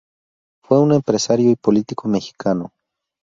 Fue un empresario y político mexicano.